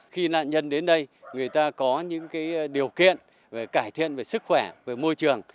khi nạn nhân đến đây người ta có những điều kiện cải thiện sức khỏe môi trường